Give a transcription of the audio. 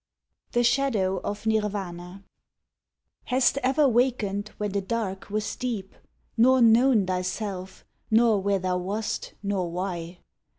THE SHADOW OF NIRVANA Hast ever wakened when the dark was deep, Nor known thyself, nor where thou wast, nor why?